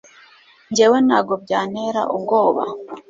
njyewe ntago byantera ubwoba